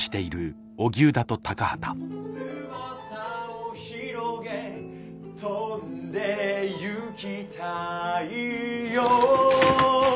「翼をひろげ」「飛んで行きたいよ」